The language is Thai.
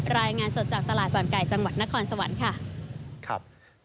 รายงานสดจากตลาดบางไก่จังหวัดนครสวรรค์ค่ะ